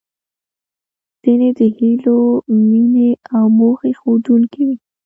ځينې د هیلو، مينې او موخې ښودونکې وې.